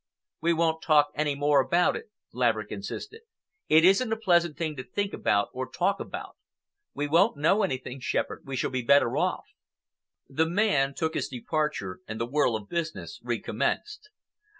"We won't talk any more about it," Laverick insisted. "It isn't a pleasant thing to think about or talk about. We won't know anything, Shepherd. We shall be better off." The man took his departure and the whirl of business recommenced.